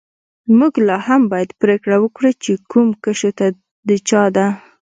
موږ لاهم باید پریکړه وکړو چې کوم کشو د چا ده